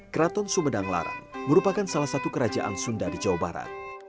keraton sumedang larang merupakan salah satu kerajaan sunda di jawa barat